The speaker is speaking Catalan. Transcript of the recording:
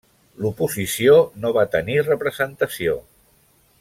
L'oposició no va tenir representació.